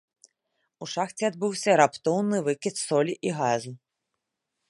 У шахце адбыўся раптоўны выкід солі і газу.